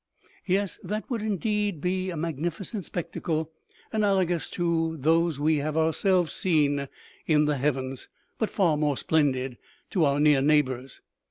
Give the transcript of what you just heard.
Yes, that would indeed be a magnificent spectacle, analogous to those we have ourselves seen in the heavens, but far more splendid to our near neighbors.